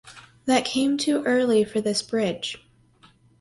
That came too early for this bridge.